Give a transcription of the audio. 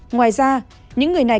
ngoài ra những người này